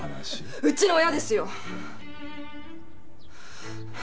うちの親ですよ！